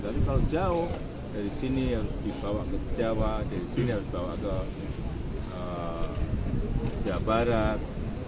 tapi kalau jauh dari sini harus dibawa ke jawa dari sini harus dibawa ke jawa barat